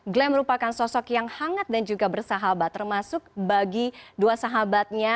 glenn merupakan sosok yang hangat dan juga bersahabat termasuk bagi dua sahabatnya